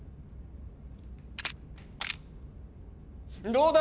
どうだ？